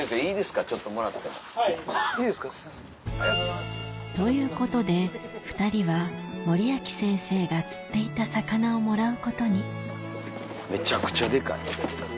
いいですか。ということで２人は守明先生が釣っていた魚をもらうことにめちゃくちゃデカい。